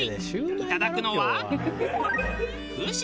いただくのは。